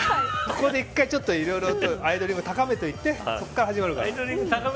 ここで１回アイドリングを高めていってそこから始まるから。